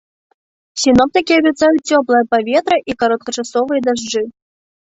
Сіноптыкі абяцаюць цёплае паветра і кароткачасовыя дажджы.